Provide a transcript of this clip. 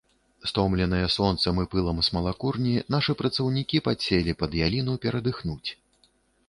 Стомленыя сонцам і пылам смалакурні, нашы працаўнікі падселі пад яліну перадыхнуць.